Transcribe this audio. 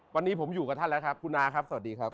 วันนี้ผมอยู่กับท่านแล้วครับคุณอาครับสวัสดีครับ